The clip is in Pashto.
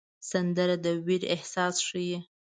سندره د ویر احساس ښيي